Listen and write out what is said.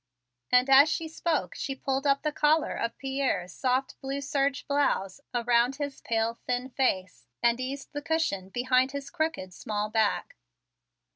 And as she spoke she pulled up the collar of Pierre's soft blue serge blouse around his pale thin face and eased the cushion behind his crooked small back.